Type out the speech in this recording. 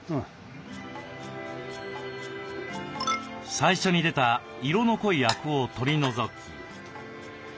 最初に出た色の濃いアクを取り除き。